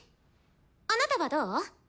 あなたはどう？